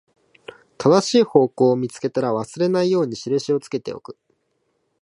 正しい方向を見つけたら、忘れないように印をつけておく